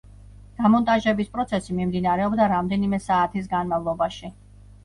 დამონტაჟების პროცესი მიმდინარეობდა რამდენიმე საათის განმავლობაში.